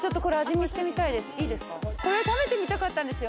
食べてみたかったんです。